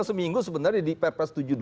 seminggu sebenarnya di perpres tujuh puluh dua